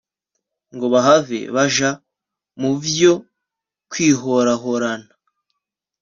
ngo bahave baja mu vyo kwihorahorana